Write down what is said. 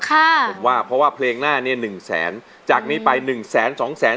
ผมว่าเพราะว่าเพลงหน้านี้หนึ่งแสนจากนี้ไปหนึ่งแสนสองแสน